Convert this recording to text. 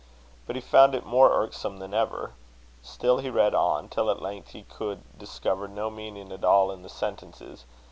But he found it more irksome than ever. Still he read on; till at length he could discover no meaning at all in the sentences.